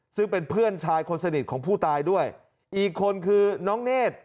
ซึ่งเป็นเพื่อนชายคนสนิทของผู้ตายด้วยอีกคนคือน้องเนธ